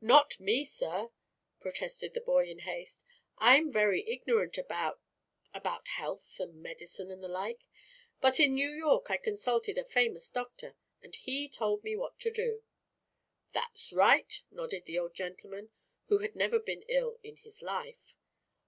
"Not me, sir!" protested the boy, in haste. "I'm very ignorant about about health, and medicine and the like. But in New York I consulted a famous doctor, and he told me what to do." "That's right," nodded the old gentleman, who had never been ill in his life.